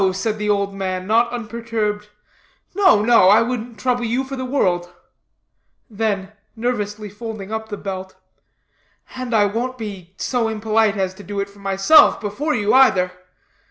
said the old man, not unperturbed, "no, no, I wouldn't trouble you for the world," then, nervously folding up the belt, "and I won't be so impolite as to do it for myself, before you, either.